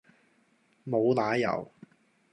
無奶油